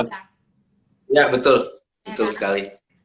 iya betul betul sekali